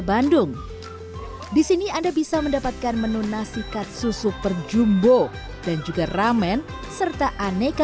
bandung disini anda bisa mendapatkan menu nasi katsu super jumbo dan juga ramen serta aneka